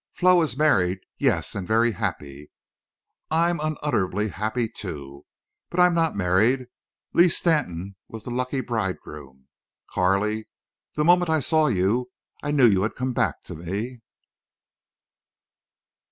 Flo is married, yes—and very happy.... I'm unutterably happy, too—but I'm not married. Lee Stanton was the lucky bridegroom.... Carley, the moment I saw you I knew you had come back to me."